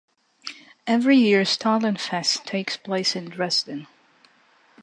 Every year Stollenfest takes place in Dresden.